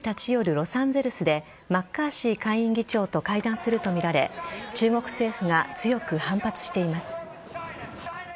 ロサンゼルスでマッカーシー下院議長と会談するとみられ中国政府が強く反発しています。